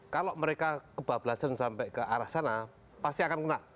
kalau mereka kebablasan sampai ke arah sana pasti akan kena